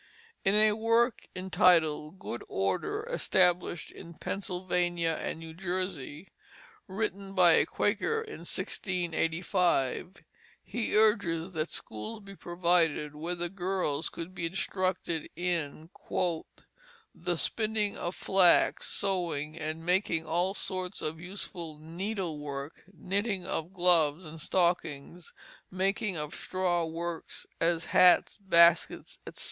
In a work entitled Good Order established in Pennsylvania and New Jersey, written by a Quaker in 1685, he urges that schools be provided where girls could be instructed in "the spinning of flax, sewing, and making all sorts of useful needle work, knitting of gloves and stockings, making of straw works, as hats, baskets, etc.